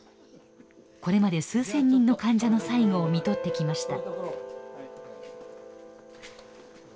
これまで数千人の患者の最期をみとってきました。